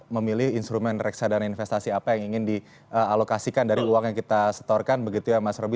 memilih instrumen reksadana investasi apa yang ingin dialokasikan dari uang yang kita setorkan begitu ya mas roby